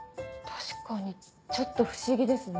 確かにちょっと不思議ですね。